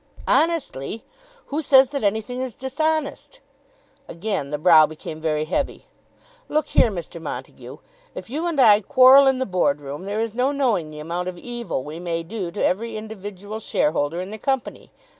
"Honestly! Who says that anything is dishonest?" Again the brow became very heavy. "Look here, Mr. Montague. If you and I quarrel in that Board room, there is no knowing the amount of evil we may do to every individual shareholder in the Company.